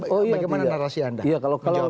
bagaimana narasi anda menjawab itu